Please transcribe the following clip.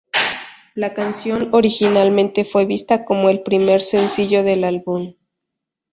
La canción originalmente fue vista como el primer sencillo del álbum.